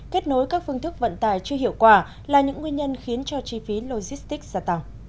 kết nối các phương thức vận tải chưa hiệu quả là những nguyên nhân khiến cho chi phí logistics gia tăng